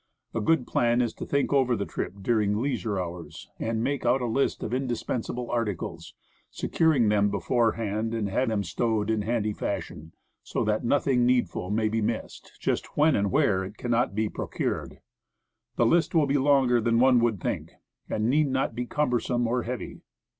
A good plan is to think over the trip during leisure hours, and make out a list of indispensable articles, securing them beforehand, and have them stowed in handy fashion, so that nothing needful may be missing just when and where it can not be procured. The list will be longer than one would think, but need not be cumbersome or heavy.